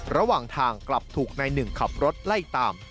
ระหว่างทางกลับถูกนายหนึ่งขับรถไล่ตาม